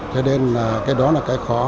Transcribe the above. cho nên cái đó là cái khó